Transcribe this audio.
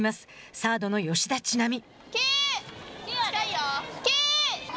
サードの吉田知那美。